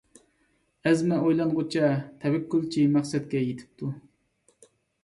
ئەزمە ئويلانغۇچە، تەۋەككۈلچى مەقسەتكە يېتىپتۇ.